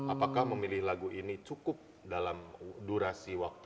apakah memilih lagu ini cukup dalam durasi waktu